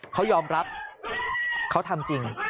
เขายอมรับเขาทำจริง